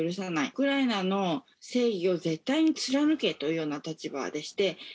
ウクライナの正義を絶対に貫けという立場ですね。